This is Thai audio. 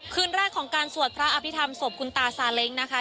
คืนแรกของการสวดพระอภิษฐรรมศพคุณตาซาเล้งนะคะ